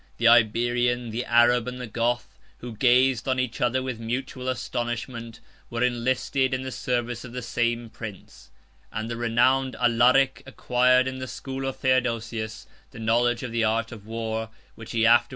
The Iberian, the Arab, and the Goth, who gazed on each other with mutual astonishment, were enlisted in the service of the same prince; 1141 and the renowned Alaric acquired, in the school of Theodosius, the knowledge of the art of war, which he afterwards so fatally exerted for the destruction of Rome.